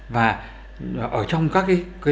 và ở trong các